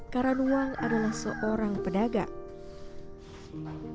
karanuang adalah seorang pedagang